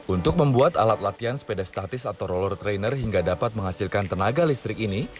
untuk membuat alat latihan sepeda statis atau roller trainer hingga dapat menghasilkan tenaga listrik ini